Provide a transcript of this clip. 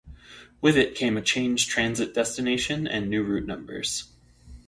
With it came a change transit destination and new route numbers.